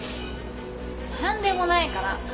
なんでもないから。